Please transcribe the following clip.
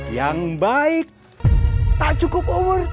yang baik tak cukup umur